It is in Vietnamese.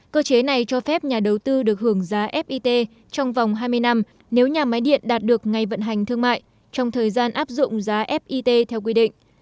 cơ chế này cho phép nhà đầu tư được hưởng giá fit trong vòng hai mươi năm nếu nhà máy điện đạt được ngày vận hành thương mại trong thời gian áp dụng giá fit theo quy định